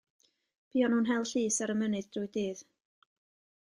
Buon nhw'n hel llus ar y mynydd drwy'r dydd.